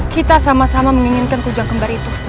kita sama sama menginginkan kujang kembar itu